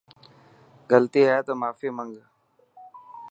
غلطي هي تو ماني منگ.